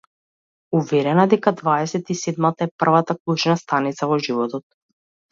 Уверена дека дваесет и седмата е првата клучна станица во животот.